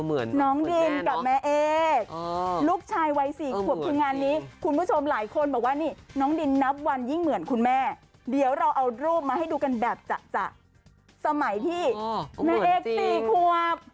คุณผู้ชมดูขอให้ดูรูปตาพี่แจ๊คดูรูปตาเหมือนกันเลยคุณแม่กับลูกสาว